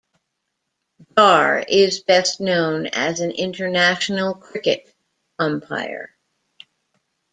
Dar is best known as an international cricket umpire.